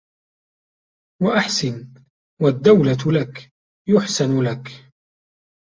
وَأَحْسِنْ وَالدَّوْلَةُ لَك يُحْسَنُ لَك